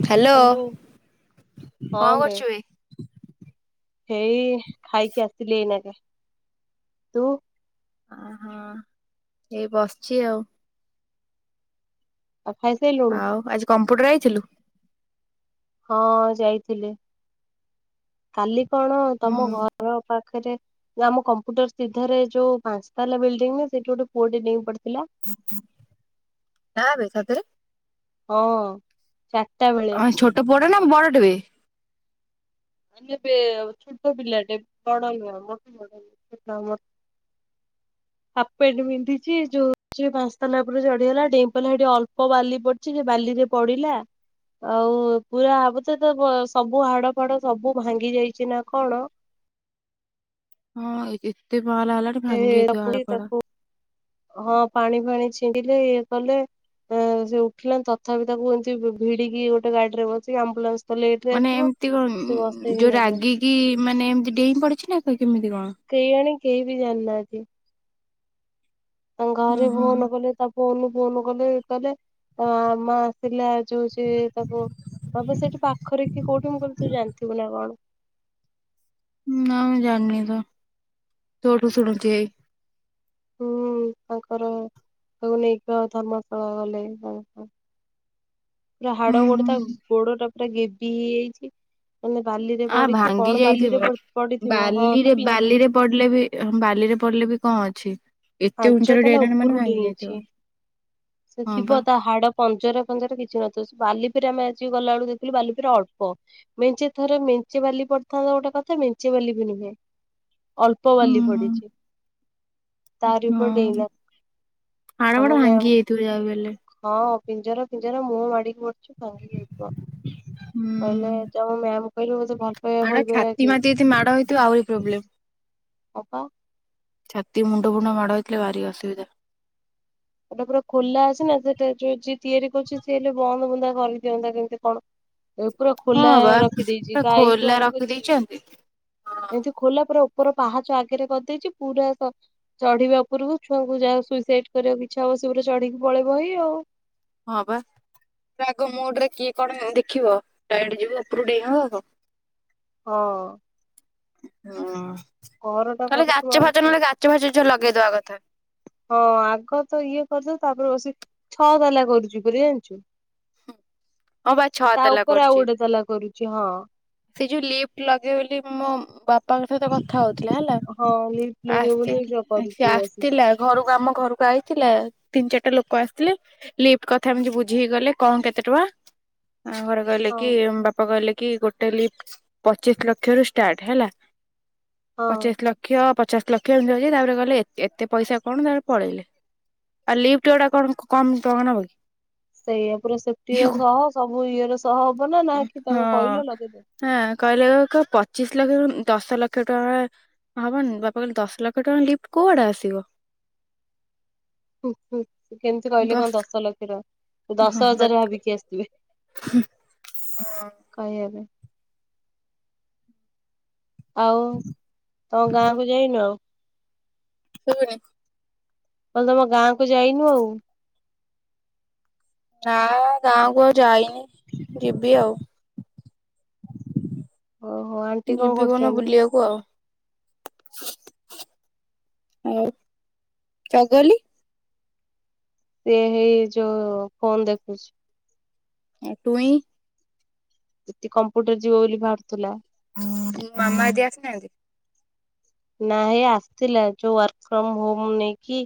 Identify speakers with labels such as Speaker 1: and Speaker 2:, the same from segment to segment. Speaker 1: Hello
Speaker 2: ହଁ
Speaker 1: କଣ
Speaker 2: ବେ
Speaker 1: କରୁଛୁ?
Speaker 2: ହେଇ ଖାଇକି ଆସିଲି ଏଇନାଗେ ତୁ
Speaker 1: ଅହୋ ଏଇ ବସିଛି ଆଉ।
Speaker 2: ଆଉ ଖାଇସାରିଲୁଣୁ?
Speaker 1: ଆଉ ଆଜି କମ୍ପୁଟରରେ ଆଇଥିଲୁ?
Speaker 2: ହଁ ଯାଇଥିଲି କାଲି କଣ ତମ
Speaker 1: ହୁଁ
Speaker 2: ଘର ପାଖ ପାଖରେ ଆମ କମ୍ପୁଟର ସିଧାରେ ଯୋଉ ପାଞ୍ଚତାଲା ବିଲଡିଙ୍ଗ ନୁହେଁ ସେଇଠି ଗୋଟେ ପୁଅେ ଡେଇଁ ପଡ଼
Speaker 1: ନାଁଵେ ସତରେ?
Speaker 2: ହଁ। ଚାରିଟା ବେଳେ
Speaker 1: ହଁ ଛୋଟ ପୁଅଟା ନା ବଡଟେ ବେ?
Speaker 2: ମାନେ ବେ ଛୋଟ ପିଲାଟେ ବଡ଼ ନୁହଁ [unintelligible] ହାପ ପେଣ୍ଡ ପିନ୍ଧିଛି ଯୋଉ ଯୋଉ ପାଞ୍ଚାତାଲା ଉପରେ ଚଢିଗଲା ଡେଇଁ ପିଡିଲା ସେଠି ଅଳ୍ପ ବାଲି ପଡିଛି ସେ ବାଲି ବାଲିରେ ପଡ଼ିଲା ଆଉ ପୁରା [unintelligible] ସବୁ ହାଡ ଫାଡ ସବୁ ଭାଙ୍ଗି ଯାଇଛି ନା କଣ?
Speaker 1: ହଁ ଏତେ ପାଲା ହେଲାଣି
Speaker 2: ଏ
Speaker 1: ଭାଙ୍ଗି ଯାଇଥିବ ହାଡ ଫାଡ।
Speaker 2: ତାକୁ ହଁ ପାଣି ଫାଣି ଛିଣ୍ଡିଲେ ଇଏ କଲେ। ସେ ଉଠିଲା ତଥାପି ତାକୁ ଏମତି ଭିଡିକି ଗୋଟେ ଗାଡିରେ ବସିକି ଆମ୍ବୁଲାନ୍ସ ତ ଲେଟ ରେ
Speaker 1: ମାନେ
Speaker 2: ଆସିବ।
Speaker 1: ଏମିତି କଣ
Speaker 2: ସେ
Speaker 1: ଉଁ
Speaker 2: ବସେଇକି
Speaker 1: ଯୋଉ
Speaker 2: ନେଲେ
Speaker 1: ରାଗିକି ମାନେ ଏମିତି ଡେଇଁ ପଡିଛି ନା କେମିତି କଣ?
Speaker 2: କେୟାଣି କେହି ବି ଜାଣିନାହାନ୍ତି? ତାଙ୍କ
Speaker 1: ହୁଁ
Speaker 2: ଗାଁରେ
Speaker 1: ହୁଁ ହୁଁ
Speaker 2: ଫୋନ କଲେ ତା ଫୋନ ଫୋନ କଲେ କଲେ ଆଁ ମା ଆସିଲେ ଯଉ ଯିଏ ତାକୁ ତମ ସେଇଠି ପାଖରେ କି କୋଉଠି ମୁଁ କହିଲି ତୁ ଜାଣିଥିବୁ ନା କଣ?
Speaker 1: ନାଁ ମୁଁ ଜାଣିନିତ ତୋଠୁ ଶୁଣୁଛି ଏଇ
Speaker 2: ହୁଁ ତାଙ୍କର ତାକୁ ନେଇକି ଆ ଧର୍ମଶାଳା ଗଲେ [unintelligible] ପୁରା
Speaker 1: ହୁଁ
Speaker 2: ହାଡ ଗୋଡ ତା
Speaker 1: ହୁଁ।
Speaker 2: ଗୋଡଟା ପୁରା ଗେବି ହେଇଯାଇଛି। ମାନେ ବାଲିରେ
Speaker 1: ଆ
Speaker 2: ପଡିଛି
Speaker 1: ଭାଙ୍ଗି
Speaker 2: କଣ ବାଲିରେ
Speaker 1: ଯାଇଥିବ
Speaker 2: ପଡିଥିବ ହଁ ତା
Speaker 1: ବାଲିରେ ବାଲିରେ ପଡିଲେ ବି ବାଲିରେ ପଡ଼ିଲେ ବି କଣ ଅଛି? ଏତେ
Speaker 2: ପାଞ୍ଚ
Speaker 1: ଉଞ୍ଚାରେ
Speaker 2: ତାଲା
Speaker 1: ଡେଇଁଲାଣି ମାନେ
Speaker 2: ଉପରୁ
Speaker 1: ଭାଙ୍ଗି ଯାଇଥିବ
Speaker 2: ଡେଇଁଛି। ସେ
Speaker 1: ହଁ ବା
Speaker 2: ଥିବ ତା ହାଡ ପଞ୍ଜରା ଫଞ୍ଜରା କିଛି ନଥିବ। ବାଲି ଫିରେ ଆମେ ଆଜି ଗଲା ବେଳକୁ ଦେଖିଲୁ ବାଲି ଫିରା ଅଳ୍ପ ମେଞ୍ଚେ ଥରେ ମେଞ୍ଚେ ବାଲି ପଡିଥାନ୍ତା ଗୋଟେ କଥା। ମିଞ୍ଚେ ବାଲି ବି ନୁହେଁ ଅଳ୍ପ
Speaker 1: ହୁଁ
Speaker 2: ବାଲି
Speaker 1: ହୁଁ।
Speaker 2: ପଡିଛି। ତାରି ଉପରେ
Speaker 1: ହଁ
Speaker 2: ଡେଇଁଲା
Speaker 1: ହାଡ ଫାଡ
Speaker 2: ଆମ
Speaker 1: ଭାଙ୍ଗି ଯାଇଥିବ ଯାହାବି ହେଲେ
Speaker 2: ମ୍ୟାମ ହଁ। ପିଞ୍ଜରା ପିଞ୍ଜରା ମୁହଁ ମାଡିକି ପଡିଛି ଭାଙ୍ଗି ଯାଇଥିବ।
Speaker 1: ହୁଁ।
Speaker 2: କହିଲେ ତମ ମ୍ୟାାମ କହିଲେ ବୋଧେ ଭଲ ପାଇବା
Speaker 1: ଆଡା
Speaker 2: ଭଲ ପାଇବା
Speaker 1: ଛାତି
Speaker 2: କି?
Speaker 1: ମାତି ଯଦି ମାଡ ହେଇଥିବ ଆହୁରି ପ୍ରୋବ୍ଲେମ୍
Speaker 2: ଅପା
Speaker 1: ଛାତି ମୁଣ୍ଡ ଫୁଣ୍ଡ ମାଡ଼ଥିଲେ ଭାରି ଅସୁବିଧା।
Speaker 2: ସେଟା ପୁରା ଖୋଲା ଅଛିନା ସେଟା ଯୋଉ ଯିଏ ତିଆରି କରୁଛି ସ ହେଲେ ବନ୍ଦ ବୁନ୍ଦା କରିଦିଅନ୍ତା କେମିତି କଣ? ଏ ପୁରା
Speaker 1: ହଁ
Speaker 2: ଖୋଲା
Speaker 1: ବା
Speaker 2: ରଖିଦେଇଛି
Speaker 1: ପୁରା
Speaker 2: ଗାଈଠୁ
Speaker 1: ଖୋଲା
Speaker 2: ଆରମ୍ଭ କରିଚି
Speaker 1: ରଖିଦେଇଛନ୍ତି ହଁ
Speaker 2: ଉପର ପାହାଚ ଆଗରେ କରିଦେଇଛି ପୁରା ସ ଚଢିବା ଉପରକୁ ଛୁଆକୁ ଯାହା ସୁଇସାଇଡ କରିବାକୁ ଇଚ୍ଛା ହବ ସିଏ ପୁରା ଚଢିକି ପଳେଇବ ହେଇ ଆଉ
Speaker 1: ହଁ ବା। ରାଗ ମୋଡରେ କିଏ କଣ ଦେଖିବ ଡାଇରେଟ ଯିବ ଉପରୁ ଡେଇ ହବ ଆଉ କଣ?
Speaker 2: ହଁ।
Speaker 1: ହୁଁ
Speaker 2: ଘରଟା
Speaker 1: ତାହାଲେ
Speaker 2: କରୁଛୁ
Speaker 1: ଗାଚ ଫାଚ
Speaker 2: ମାନୁଛୁ।
Speaker 1: ନହେଲେ ଗାଚ ଫାଚ ଚାଲ ଲଗେଇ ଦବା କଥା।
Speaker 2: ହଁ ଆଗତ ଇଏ କରିଦଉ ତାପରେ ବସି ଛଅତାଲା କରୁଛି [unintelligible] ଜାଣିଛୁ?
Speaker 1: ହଁ ବା ଛଅ
Speaker 2: ତା
Speaker 1: ତାଲା
Speaker 2: ଉପରେ ଆଉ
Speaker 1: କରୁଛି।
Speaker 2: ଗୋଟେ ତାଲା କରୁଛି ହଁ।
Speaker 1: ସେ ଯୋଉ ଲିଫ୍ଟ ଲଗେଇ ବୋଲି ମୋ ବାପାଙ୍କ ସହିତ କଥା ହଉ। ଥିଲା ହେଲା
Speaker 2: ହଁ ଲିଫ୍ଟ ଲଗେଇବ
Speaker 1: ଆସିଥି
Speaker 2: ବୋଲି ସେ
Speaker 1: ହିଁ ସିଏ
Speaker 2: କରୁଛି ବସି
Speaker 1: ଆସିଥିଲା ଘରକୁ ଆମ ଘରକୁ ଆଇଥିଲା। ତିନି ଚାରିଟା ଲୋକ ଆସିଥିଲେ ଲିଫ୍ଟ କଥା ଏମିତି ବୁଝି ଗଲେ କଣ କେତେ ଟଙ୍କା? ଆ ଘରେ କହିଲେ
Speaker 2: ହଁ
Speaker 1: କି ଉଁ ବାପା କହିଲେ କି ଗୋଟାଲି ପଚିଶ ଲକ୍ଷ ରୁ ଷ୍ଟାର୍ଟ ହେଲା।
Speaker 2: ହଁ।
Speaker 1: ପଚିଶ ଲକ୍ଷ ପ ପଚାଶ ଲକ୍ଷ ଏନତୀ ରହିଛି ତାପରେ ଗଲେ ଏ ଏତେ ପଇସା କଣ ତାପରେ ପଳେଇଲେ। ଆଉ ଲିପ୍ଟଗୁଡାକ କଣ କମ ଟଙ୍କା ନବ କି?
Speaker 2: ସେଇଆ ପୁରା ସେଫ୍ଟିର ସହ ସବୁ ଇଏର ସହ ନା ନା କି ତମେ କହିଲ ଲଗେଇଦେଲ।
Speaker 1: ହଁଁ କହିଲେ କ ପଚିଶ ଲକ୍ଷରୁ ଦଶ ଲକ୍ଷ ଟଙ୍କା ହଁ ହବନି ବାପା କହିଲେ ଦଶ ଲକ୍ଷ ଟଙ୍କା ଲିଫ୍ଟ କୋଉଆଡେ ଆସିବ?
Speaker 2: ହୁଁ କେମିତି କହିଲେ କଣ ଦଶ ଲକ୍ଷର ଦଶ
Speaker 1: ହଁ
Speaker 2: ହଜାର ଭାବିକି ଆସିଥିବେ। କହିହେବେ। ଆଉ ତମ ଗାଁ କୁ ଯାଇନ?
Speaker 1: କୋଉ ଗାଁ କୁ?
Speaker 2: କହିଲି ତମ ଗାଁକୁ ଯାଇନୁ ଆଉ?
Speaker 1: ନା ଗାଁ କୁ ଆଉ ଯାଇନି ଯିବି ଆଉ।
Speaker 2: ଓହୋ ଆଣ୍ଟି କଣ
Speaker 1: ଯିବି କୋଉଦିନ
Speaker 2: କରୁଛନ୍ତି?
Speaker 1: ବୁଲିବାକୁ ଆଉ? ଆଉ ଚଗଲି?
Speaker 2: ସିଏ ହେଇ ଯୋଉ ଫୋନ ଦେଖୁଛି।
Speaker 1: ଏ ଟୁଇ?
Speaker 2: [unintelligible] କମ୍ପ୍ୟୁଟର ଯିବ ବୋଲି ବାହାରୁଥିଲା।
Speaker 1: ହଁ ମାମା ଦି ଆସିନାହାନ୍ତି?
Speaker 2: ନା ହେ ଆସିଥିଲା ଯୋଉ ୱାର୍କ ଫ୍ରମ ହୋମ ନେଇକି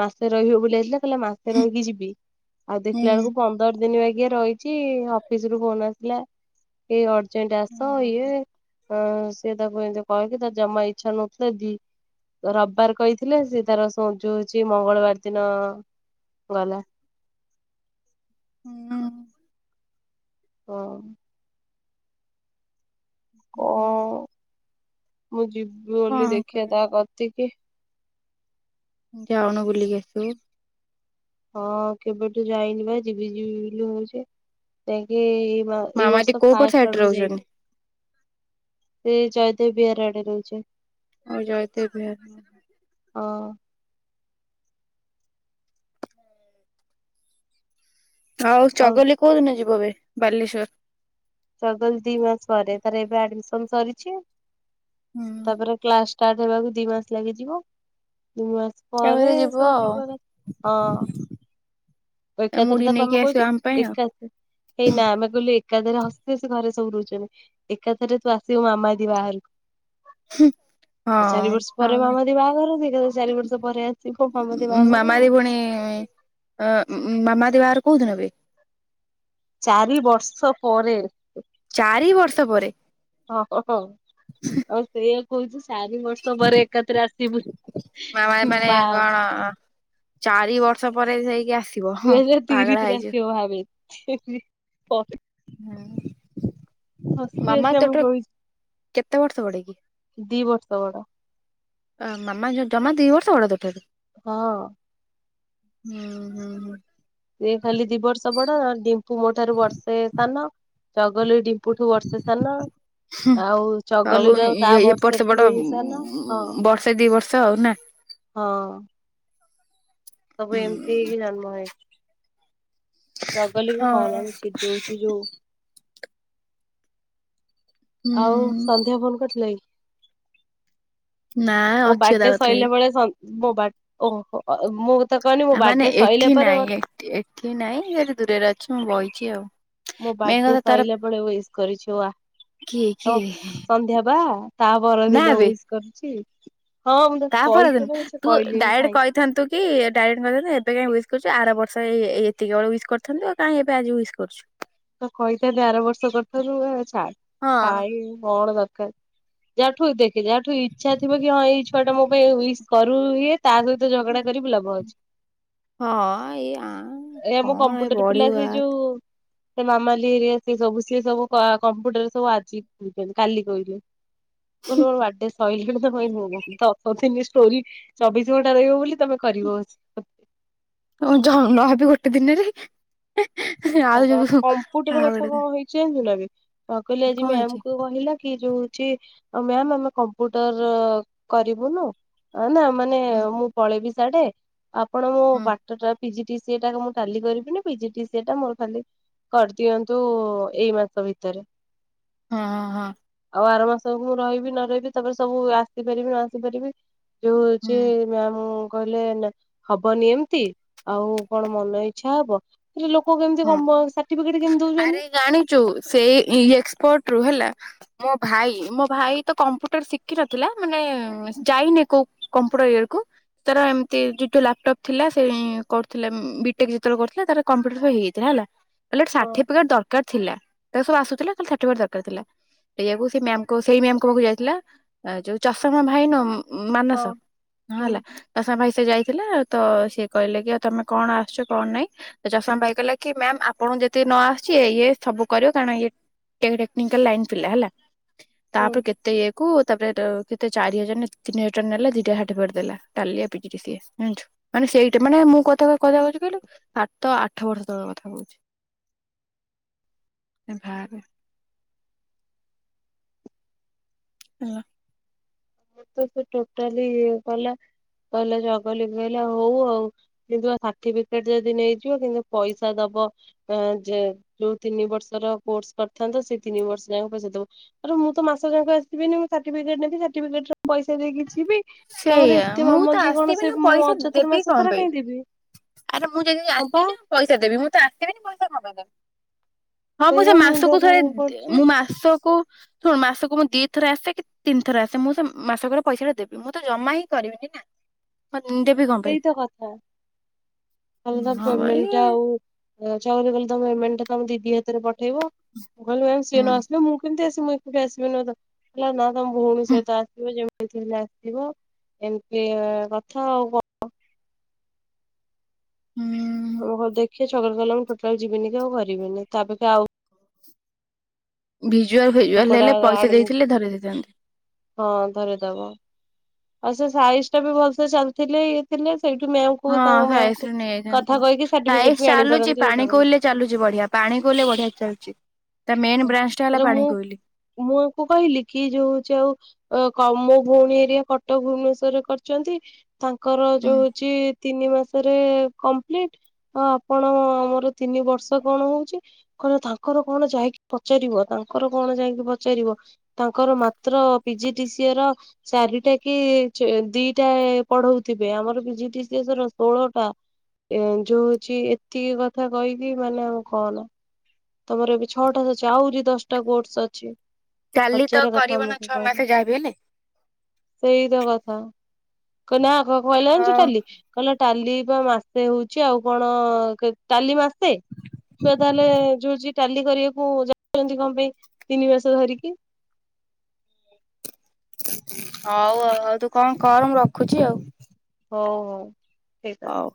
Speaker 2: ମାସ ରହିବ ବୁଇଥିଲା। ମାସେ ରହିକି ଯିବି ଆଉ
Speaker 1: ହୁଁ
Speaker 2: ଦେଖିଲା ବେଳକୁ ପନ୍ଦର ଦିନ ବା ଆଜେ ରହିଛି ଅଫିସ ରୁ ଫୋନ ଆସିଲା ଏ ଅର୍ଜେଣ୍ଟ ଆସ
Speaker 1: ହଁ
Speaker 2: ଇଏ ହଁ ସିଏ ତାକୁ ଏମିତି କହିକି ତା ଜମା ଇଚ୍ଛା ନଥିଲେ ଦି ରବିବାର କହିଥିଲେ ସେ ତାର ସଜ ହଉଛି ମଙ୍ଗଳବାର ଦିନ ଗଲା।
Speaker 1: ହୁଁ।
Speaker 2: ହୁଁ। କଣ
Speaker 1: ହୁଁ।
Speaker 2: ମୁଁ ଯିବି ବୋଲି ଦେଖିବା ତା କତି କିି।
Speaker 1: ଯାଉନୁ ବୁଲିକି ଆସିବୁ?
Speaker 2: ହଁ କେବେଠୁ ଯାଇନି ବା ଯିବି ଯିବି ବୋଲି ହଉଛି ଯାଇକି ଏଇ
Speaker 1: ମାମା ଆଜି
Speaker 2: ବର୍ଷ
Speaker 1: କୋଉ ପଟ
Speaker 2: ଫାଷ୍ଟ
Speaker 1: ସାଇଡରେ
Speaker 2: ଆଡ କୁ ଯାଇ
Speaker 1: ରହୁଛନ୍ତି?
Speaker 2: ସେ ଜୟଦେବ ବିହାରୀ ଆଡେ ରହୁଛି।
Speaker 1: ଆଉ ଜୟଦେବ ବିହାର।
Speaker 2: ହଁ।
Speaker 1: ଆଉ ଚଗଲି କୋଉଦିନ ଯିବ ବେ ବାଲେଶ୍ଵର?
Speaker 2: ଗଦି ମାସ ପରେ ଏବେ ଆମ ସରିଛି ତାପରେ ଷ୍ଟାର୍ଟ ହେବାକୁ ଦି ମାସ ଲାଗିଯିବ। ଦୁଇ ମାସ
Speaker 1: କେବେ
Speaker 2: ପରେ
Speaker 1: ଯିବ
Speaker 2: ସବୁ
Speaker 1: ଆଉ।
Speaker 2: ଯିବା ହଁ।
Speaker 1: ଏ ମୁଢି
Speaker 2: ଏକାଥରେ ତାକୁ
Speaker 1: ନେଇକି
Speaker 2: ଆମେ
Speaker 1: ଆସିବ
Speaker 2: କହୁଛେ
Speaker 1: ଆମ ପାଇଁ ଆଉ
Speaker 2: ଏକାଥରେ ହେଇନା ଆମେ କହିଲୁ ଏକାଥରେ ହସି ହସି ଘରେ ସବୁ ରହୁଛନ୍ତି ଏକାଥରେ ତୁ ଆସିବୁ ମାମା ଦି ବାହାରକୁ।
Speaker 1: ହୁଁ।
Speaker 2: ଆଉ ଚାରି ବର୍ଷ ପରେ ମାମଦୀ ବାହାଘର ସେ ଚାରି ବର୍ଷ ପରେ ଆସିବ କ ମାମଦୀ
Speaker 1: ମାମା
Speaker 2: ବାହାଘର।
Speaker 1: ଦି ପୁଣି ମାମା ଦେବା ଆର କୋଉଠି ବେ?
Speaker 2: ଚାରି ବର୍ଷ ପରେ।
Speaker 1: ଚାରି ବର୍ଷ ପରେ?
Speaker 2: ଓହୋ ହୋ ଆଉ ସେଇଆା କହୁଛି ସାରି ବର୍ଷ ପରେ ଏକାଥରେ ଆସିବୁ।
Speaker 1: ମାମା ମାନେ
Speaker 2: ବା
Speaker 1: କଣ ଚାରି ବର୍ଷ ପରେ ହେଇକି ଆସ
Speaker 2: ଦୁଇ ହଜାର ତିରିଶ ରା ସେଉ ଭାବ।
Speaker 1: ହଁ।
Speaker 2: ହସି
Speaker 1: ମାମା
Speaker 2: ହସି
Speaker 1: ହ
Speaker 2: ଆମେ
Speaker 1: ତଟରେ
Speaker 2: ରହିଛୁ
Speaker 1: କେତେ ବର୍ଷ ବଡ କିି?
Speaker 2: ଷୋହଳ।
Speaker 1: ଅ ମାମା ଜମା ଦି ବର୍ଷ ବଡ ତୋ ଠାରୁ?
Speaker 2: ହଁ।
Speaker 1: ହୁଁ ହୁଁ ହଁ।
Speaker 2: ସେ ଖାଲି ଦି ବର୍ଷ ବଡ ଡିମ୍ପୁ ମୋ ଠାରୁ ବର୍ଷେ ସାନ ଜଗଲ ଡିମ୍ ପଠୁ ବର୍ଷସଲ ନା
Speaker 1: ହୁଁ ଆଉ
Speaker 2: ବର୍ଷେ
Speaker 1: ଏପଟ ସେପଟ
Speaker 2: ଟୁଇଁ ସାନ। ହଁ
Speaker 1: ବର୍ଷେ ଦି ବର୍ଷ ହଉ ନା
Speaker 2: ହଁ। ସବୁ ଏମିତିଇି ଜନ୍ମ ଜଗଲିକ କଣ
Speaker 1: ହଁ।
Speaker 2: ସି ଦଉଛୁ ଯୋଉ
Speaker 1: ହୁଁ
Speaker 2: ଆଉ ସନ୍ଧ୍ୟା ଫୋନ କରିଥିଲେ?
Speaker 1: ନା
Speaker 2: ମୋ
Speaker 1: ଅଛି ତା
Speaker 2: ବାର୍ଥଡେ
Speaker 1: କତିରେ।
Speaker 2: ସରିଲା ବେଳେ ଓ ମୁଁ ତ କହନି ମୋ
Speaker 1: ମାନେ
Speaker 2: ବାର୍ଥଡେ ସଇଲା
Speaker 1: ଏଠି
Speaker 2: ପରେ
Speaker 1: ନାଇଁ
Speaker 2: ମତେ
Speaker 1: ଏଠି ନାଇଁ ଯଦି ଦୂରରେ ଅଛି ମୁଁ ବହିଛି ଆଉ।
Speaker 2: ମୁଁ
Speaker 1: ମେନ୍
Speaker 2: ବାର୍ଥଡେ
Speaker 1: କଥା ତାର
Speaker 2: ସରିଲା ବ ୟ କରିଛି ଓ
Speaker 1: କିଏ
Speaker 2: ତମ
Speaker 1: କିଏ
Speaker 2: ସନ୍ଧ୍ୟା ବା ତା ପରଦିନ ଇସ୍ କରୁଛି।
Speaker 1: ତାପରେ ଦିନ ତୁ
Speaker 2: କହିଲିନି
Speaker 1: ଡାଏଡ୍
Speaker 2: ଥାଇ
Speaker 1: କହିଥାନ୍ତୁ କି ଡାଡ ଏବେ କାଇଁ କରୁ ଆର ବର୍ଷ ଏତିକି ବେଳେ ଇସ୍ କରୁ ଆ କାହିଁ ଏବେ ଆଜି ସ୍ କରୁ
Speaker 2: ତ କହିଥାେର ବର୍ଷ କଥାରୁ ଛା
Speaker 1: ହଁ
Speaker 2: ଖାଇ କଣ ଦ ଯାହାଠୁ ଦେଖେ ଯାହାଠୁ ଇଛା ଥିବ, କି ହଁ ଏଇ ଛୁଆ ଟା ମୋ ପାଇଁ ସ୍ କରୁ ହଏ ତା ସହିତ ଝଗଡା କରିବୁ ଲବ ଅଉଛି।
Speaker 1: ହଁ ଏଇ ଆ
Speaker 2: ଏାମୋ
Speaker 1: କଣ ଏ
Speaker 2: କମ୍ପୁଟର ପିଲା
Speaker 1: ବଢିବୁ
Speaker 2: ସେ
Speaker 1: ଆ
Speaker 2: ଯୋଉ ସେ ମାମାଲି ସବୁ ସି ସବୁ କମ୍ପୁଟର ସବୁ ଆଜି କାଲି କହିଲେ ହ ଅଡେ ଶହିଲ ତ କହି ହଉ ତ ଷ୍ଟୋରି ଚବିଶ ଘଣ୍ଟା ରହିବ ବୋଲି ତମେ କରିବ
Speaker 1: ହ ଯ ନହବି ଗୋଟେ ଦିନରେ
Speaker 2: ହଁ ବା
Speaker 1: ଆଉ
Speaker 2: କମ୍ପୁଟର କଥା
Speaker 1: ଆଡ
Speaker 2: କଣ ହେଇଛି ଜାଣିଛୁ ନା ବେ ହଁ କହିଲି ଆଜି ମ୍ୟାମ କୁ କହିଲା ରଉଛି ମ୍ୟା ଆମେ କମ୍ପୁଟର କରିବୁନୁ ମାନେ
Speaker 1: ହୁଁ
Speaker 2: ମୁଁ ପଳେଇବି ସାଢଡେ ଆପଣ ମୋ
Speaker 1: ହୁଁ
Speaker 2: ବାଟଟା ପିଜିଟି ସିଟା ମୁଁ ଖାଲି କରିବିନି ପିଜିଟିିଟା ମୋର ଖାଲି କରିଦିଅନ୍ତୁ ଏଇ ମାସ ଭିତରେ
Speaker 1: ହଁ ହ ହଁ।
Speaker 2: ଆଉ ଆର ମାସକୁ ମୁଁ ରହିବି ନ ରହିବି ତାପରେ ସବୁ ଆସିପାରିବି ନ ଆସିପାରିବି ଯୋଉ
Speaker 1: ହୁଁ
Speaker 2: ହଉଛି ମମ କହିଲେ ନା ହବନି ଏମିତି ଆଉ କଣ ମନ ଇଛା ହବ, ହେଲେ ଲୋକ କେମିତି
Speaker 1: ହଁ
Speaker 2: କମ ସାର୍ଟିଫିକେଟ କେମିତି ଦଉଛନ୍ତି।
Speaker 1: ଆରେ ଜାଣିଛୁ ସେ ଏକ୍ସପର୍ଟ ରୁ ହେଲା ମୋ ଭାଇ ମୋ ଭାଇ ତ କମ୍ପୁଟର ଶିଖିିନଥିଲା ମାନେ ଯାଇନି କୋଉ କମ୍ପୁ କେକୁ ତାର ଏମିତି ଯୋ ଲାପଟପ୍ ଥିଲା ସେ କରୁଥିଲା, ବିଟେକ୍ ଯେତେବେଳେ କରୁଥିଲା ତାର କମ୍ପ୍ୟୁଟର ହେଇଯାଇଥିଲା ଲା
Speaker 2: ହଁ
Speaker 1: ଦରକାର ଥିଲା ସବୁ ଆସୁଥିଲା ଦର ଥିଲା ଏଇ ଯାକୁ ସେ ମ୍ୟା ସେଇ ମ୍ୟା କ ପାକୁ ଯାଇଥିଲା ଯୋଉ ଚଷ ମା ଭାଇ ନ
Speaker 2: ହଁ
Speaker 1: ମାନସ ହଁ
Speaker 2: ହୁଁ
Speaker 1: ହେଲା ତାସ ଭାଇ ସେ ଯାଇଥିଲା ତ ସିଏ କହିଲେ କିଉ ତମେ କଣ ଆସଛ, କଣ ନାଇଁ ଚଷମା ପାଇଗଲା କି ମ୍ୟାମ୍ ଆପଣ ଯେତିକି ନ ଆସୁଛି, ଇଏ ସବୁ କରିବ କାରଣ ଇଏ ଟେକାଲ ଲାଇନ ପିଲା ହେଲା। ତାପରେ
Speaker 2: ହୁଁ
Speaker 1: କେତେ ଇଏକୁ ତାପରେ ସେତେ ଚାରି ହଜାର ତିନି ହଜାର ନେ ଦିଟାଠେଟ ଦେଲା ଟାଲିଆ ପି ସିଏ ଜାଣିଛୁ ମାନେ ସେଇଟା ମାନେ ମୁଁ କଥା କଥାିବା କଛି କହିଲୁ ସାତ ଆଠ ବର୍ଷ ତଳ କଥା ଥାଛି ସେ ଭ ହାଲୋ!
Speaker 2: ମୁ ତ ସେ ଟୋଟାଲି ଗଲା କହିଲେ ଜଗଲି କହିଲ ହଉ ଆଉ କିନ୍ତୁ ସାର୍ଟିଫିକେଟ ଯଦି ନେଇଯିବ, କିନ୍ତୁ ପଇସା ଦବ ଵ ଏଁ ଜେ ଯୋଉ ତିନି ବର୍ଷର କୋର୍ସ କରିଥାନ୍ତ ସେଇ ତିନି ବର୍ଷ ଜାକ ପଇସା ଦବ। ମୁଁ ତ ମାସ ଯାକ ଆସିିବିନି ମୁଁ ସାର୍ଟିିବିକେଟ ନେବିା ସାର୍ଟିବିକେଟର ପଇସା ଦେଇକି ଯିବି ତମର
Speaker 1: ସେଇଆ
Speaker 2: ଏତେ
Speaker 1: ମୁଁ ତ
Speaker 2: ମାମଲତି କଣ ସେ
Speaker 1: ଆସିବିନି
Speaker 2: ମୁଁ
Speaker 1: ପଇସା
Speaker 2: ଅଯଥାରେ
Speaker 1: ଦେବି କଣ
Speaker 2: ମାସସାରା
Speaker 1: ପାଇଁ
Speaker 2: କାଇଁ ଦେବି।
Speaker 1: ଆରେ ମୁଁ ଯଦି
Speaker 2: ହଁ ବା
Speaker 1: ଆସିଲି ପଇସା ଦେବି ମୁଁ ତ ଆସିବିନି ପଇସା କଣପାଇଁ ଦେବି। ହଁ
Speaker 2: ସେଇ
Speaker 1: ମୁଁ ସେ
Speaker 2: ବା ମୁଣ୍ଡ
Speaker 1: ମାସକୁ ଥରେ
Speaker 2: ଖରାପ କରୁଛି
Speaker 1: ମୁଁ ମାସକୁ ଶୁଣ ମାସକୁ ମୁଁ ଦିଥର ଆସେ କି ତିନି ଥର ଆସେ ମୁଁ ସେ ମାସକରେ ପଇସା ଟା ଦେବି। ମୁଁ ତ ଜମା ହିଁ କରିବିନି ନା। ହଁ ଦେବି କଣ ପାଇଁ।
Speaker 2: ସେଇତ କଥା କାହିଁକିନା
Speaker 1: ହଁ ଭାଇ।
Speaker 2: ପେମେଣ୍ଟା ଆଉ ତାପରେ କହିଲେ ତମ ଏମେଣ୍ଟ ଟା ତମ ଦିଦି ହାତରେ ପଠେଇବ ମୁଁ କହିଲି ମାମ ସିଏ
Speaker 1: ହୁଁ
Speaker 2: ନ ଆସିଲ ମୁଁ କେମତି ଆସି ମୁଇଁ ଏକୁଟିଆ ଆସିବିିନ ତ ହେଲା ନା ତମ ଭଉଣୀ
Speaker 1: ହୁଁ
Speaker 2: ସହିତ ଆସିବ ଯେମିତି ହେଲେ ଆସିବ। ଏମତି ଆ କଥା ଆଉ କଣ?
Speaker 1: ହୁଁ।
Speaker 2: ଆମେ କହିଲୁ ଦେଖିଆ ଛଗଲ କହିଲା ମୁ ଟୋଟାଲ ଯିବିନି କି ଆଉ କରିବିନି ତା ଅପେକ୍ଷା ଆଉ
Speaker 1: ଭିଜୁଆଲ ଭିଜୁଆଲ
Speaker 2: ଲୋକଟା
Speaker 1: ହେଲେ ପଇସା
Speaker 2: ଆଣିବି।
Speaker 1: ଦେଇଥିଲେ ଧରେଇ ଦେଇଥାନ୍ତେ।
Speaker 2: ହଁ ଧରେଇଦବ। ଆଉ ସେ ସାଇଜ ଟା ବି ଭଲ ସେ ଚାଲିଥିଲେ ଇଏ ଥିଲେ ସେଇଠୁ ମ୍ୟାମକୁ
Speaker 1: ହଁ
Speaker 2: ତାଙ୍କ ମ୍ୟାମକୁ
Speaker 1: ସାଇସ ରୁ
Speaker 2: କଥା
Speaker 1: ନେଇଯାଇଥାନ୍ତୁ
Speaker 2: କହିକି ସାର୍ଟିଫିକେଟ
Speaker 1: ସାଇସ
Speaker 2: ବି
Speaker 1: ଚାଲୁଛି
Speaker 2: ଆଣିପାରନ୍ତି ଇଏ
Speaker 1: ପାଣି
Speaker 2: କରନ୍ତି।
Speaker 1: କୋଇଲରେ ଚାଲୁଛି ବଢିଆ ପା ପାଣି କୋଇଲିରେ ବଢିଆ ଚାଲୁଚି।
Speaker 2: ହ ତାର ମୁଁ ମୁଁୟାଙ୍କୁ କହିଲି କି ଯୋଉ ହଉଛି ଆଉ। ଅ କ ମୋ ଭଉଣୀ ହେରିକା କଟକ ଭୁବନେଶ୍ୱରରେ କରିଚନ୍ତି ତାଙ୍କର
Speaker 1: ହୁଁ
Speaker 2: ଯୋଉ ହଉଚି ତିନି। ତିନି ମାସରେ କଂପ୍ଲିଟ୍ ଆଉ ଆପଣ ଆମର ତିନି ବର୍ଷ କଣ ହଉଛି କହିଲେ ତାଙ୍କର କଣ ଯାଇକି। ପଚାରିବ ତାଙ୍କର କଣ ଯାଇକି ପଚାରିବ ତାଙ୍କର ମାତ୍ର ପିଜିଡିସିଏ ର ଚା। ଚାରିଟା କି ଦିଟା ପଢଉଥିବେ ଆମର ପିଜିଡିସିଏ ର ଷୋହଳଟା। ଏ ଯଉ ହଉଚି ଏତିକି କଥା କହିକି ମାନେ ଆଉ କହନା। ତମର ଏବେ ଛଅଟା ଅଛି ଆହୁରି ଦଶଟା କୋର୍ସ ଅଛି।
Speaker 1: କାଲି ତ
Speaker 2: ହଜାର କଥା
Speaker 1: କରିବ ନା
Speaker 2: ଆମକୁ
Speaker 1: ଛଅ ମାସ
Speaker 2: କହିଲେ।
Speaker 1: ଯାହାବି ହେଲେ।
Speaker 2: ସେଇ ତ କଥା କଇଲା ଆଗକଣ କଇଲା ଜାଣିଚୁ
Speaker 1: ହଉ
Speaker 2: ଟାଲି କଇଲା ଟାଲି ବା ମାସେ ହଉଚି ଆଉ କଣ କାଲି ମାସେ ଛୁଆ ତାହେଲେଏ ଯୋଉ ଟାଲି କରିବାକୁ ଯାଉଛନ୍ତି କଣ ପାଇଁ ତିନି ମାସ ଧରିକି।
Speaker 1: ହଉ ଆଉଉ ତୁ କଣ କର ମୁ ରଖୁଛି ଆଉ।
Speaker 2: ହଉ ହଉ ଠିକ
Speaker 1: ହଉ।
Speaker 2: ଅଛି।